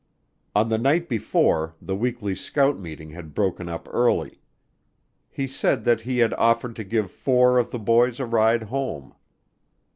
On the night before the weekly scout meeting had broken up early. He said that he had offered to give four of the boys a ride home.